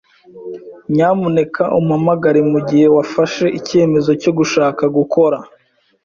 Nyamuneka umpamagare mugihe wafashe icyemezo cyo gushaka gukora.